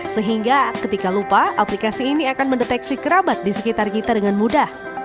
sehingga ketika lupa aplikasi ini akan mendeteksi kerabat di sekitar kita dengan mudah